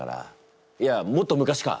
いやもっと昔か？